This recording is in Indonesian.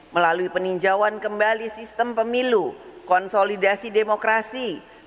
melalui peninjauan kembali sistem pemilu konsolidasi demokrasi